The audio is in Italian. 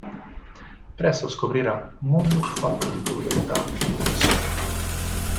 Presto scoprirà un mondo fatto di crudeltà e corruzione.